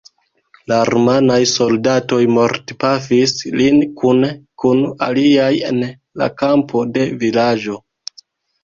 La rumanaj soldatoj mortpafis lin kune kun aliaj en la kampo de vilaĝo.